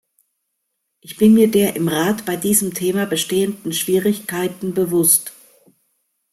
Ich bin mir der im Rat bei diesem Thema bestehenden Schwierigkeiten bewusst.